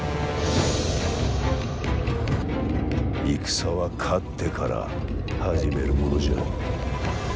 戦は勝ってから始めるものじゃ。